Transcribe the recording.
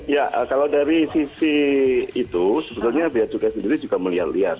ya kalau dari sisi itu sebetulnya biaya cukai sendiri juga melihat lihat